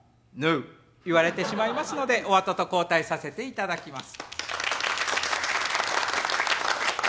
言われてしまいますのでお後と交代させていただきます。